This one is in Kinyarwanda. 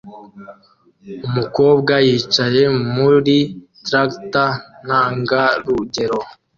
Umukobwa yicaye muri traktor ntangarugero